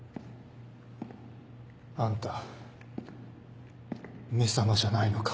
あんた「め様」じゃないのか。